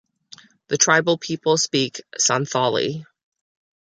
The tribal people speak Santhali.